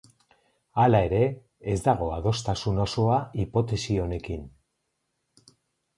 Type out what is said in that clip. Hala ere, ez dago adostasun osoa hipotesi honekin.